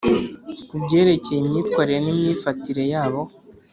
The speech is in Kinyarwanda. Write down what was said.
Ku byerekeye imyitwarire n imyifatire yabo